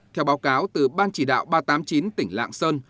theo báo cáo từ ban chỉ đạo ba trăm tám mươi chín tỉnh lạng sơn